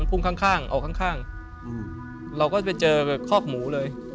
มันพุ่งข้างเอาข้างเราก็ไปเจอครอบหมูเลย